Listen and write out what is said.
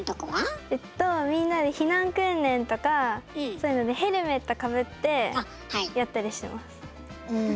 みんなで避難訓練とかそういうのでヘルメットかぶってやったりしてます。